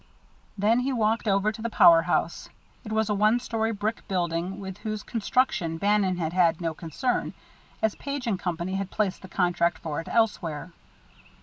Then he walked over to the power house. It was a one story brick building, with whose construction Bannon had had no concern, as Page & Company had placed the contract for it elsewhere.